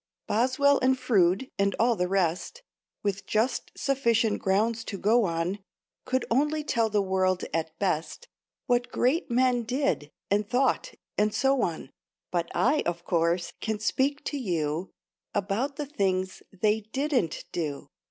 Boswell and Froude, and all the rest, With just sufficient grounds to go on, Could only tell the world, at best, What Great Men did, and thought and so on. But I, of course, can speak to you About the things they didn't do.